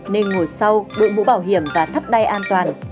nên ngồi sau đội mũ bảo hiểm và thắt đai an toàn